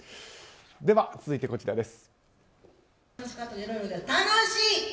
では、続いてこちらです。